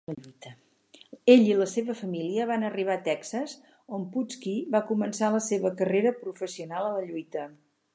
Ell i la seva família van arribar a Texas, on Putski va començar la seva carrera professional a la lluita.